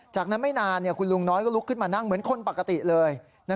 จากนั้นไม่นานคุณลุงน้อยก็ลุกขึ้นมานั่งเหมือนคนปกติเลย